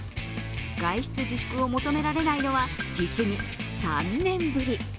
外出自粛を求められないのは実に３年ぶり。